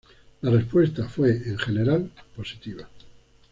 La respuesta fue, en general, positiva.